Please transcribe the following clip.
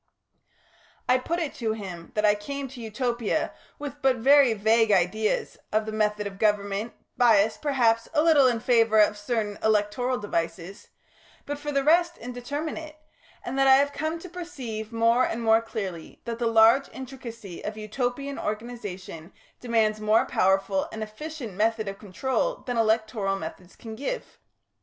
I put it to him that I came to Utopia with but very vague ideas of the method of government, biassed, perhaps, a little in favour of certain electoral devices, but for the rest indeterminate, and that I have come to perceive more and more clearly that the large intricacy of Utopian organisation demands more powerful and efficient method of control than electoral methods can give.